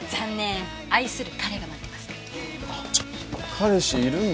彼氏いるんだ。